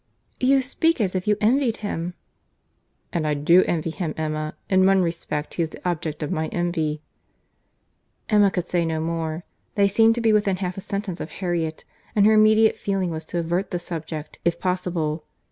"You speak as if you envied him." "And I do envy him, Emma. In one respect he is the object of my envy." Emma could say no more. They seemed to be within half a sentence of Harriet, and her immediate feeling was to avert the subject, if possible.